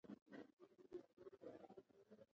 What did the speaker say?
ایا د سترګو رنګ هم په وراثت پورې اړه لري